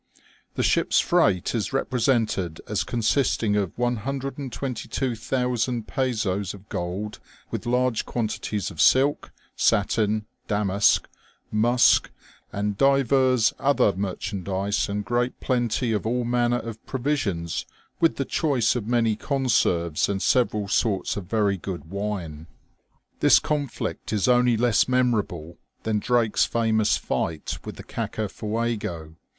The ship's freight is represented as consisting of 122,000 pezoes of gold, with large quantities of silk, satin, damask, musk, ^'and divers other merchandise and great plenty of all manner of provisions, with the choice of many conserves and several sorts of very good wine." This conflict is only less memorable than Drake's famous fight with the Caca/uego.